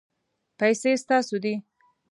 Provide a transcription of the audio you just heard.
پیسې ستاسو دي